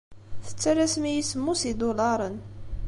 Tettalasem-iyi semmus n yidulaṛen.